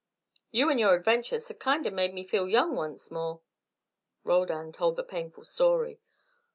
You and your adventures have kinder made me feel young once more." Roldan told the painful story.